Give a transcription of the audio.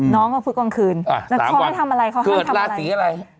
น้องก็พุธกลางคืน๓วันเขาไม่ทำอะไรเขาห้ามทำอะไร